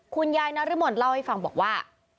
นายนรมนเล่าให้ฟังบอกว่า